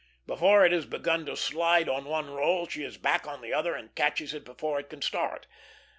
"Before it has begun to slide on one roll, she is back on the other, and catches it before it can start."